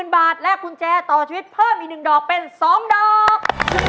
๐บาทและกุญแจต่อชีวิตเพิ่มอีก๑ดอกเป็น๒ดอก